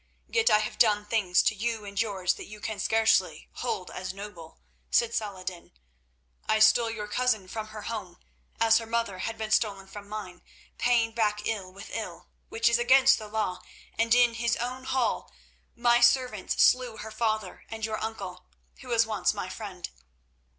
Yet I have done things to you and yours that you can scarcely hold as noble," said Saladin. "I stole your cousin from her home, as her mother had been stolen from mine, paying back ill with ill, which is against the law, and in his own hall my servants slew her father and your uncle, who was once my friend.